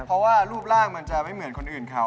เพราะว่ารูปร่างมันจะไม่เหมือนคนอื่นเขา